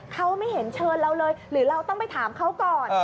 เขาไม่เห็นเชิญเราเลยหรือเราต้องไปถามเขาก่อน